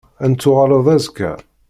Ad n-tuɣaleḍ azekka?